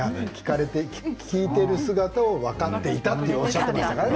聴いている姿を分かっていたとおっしゃっていましたからね。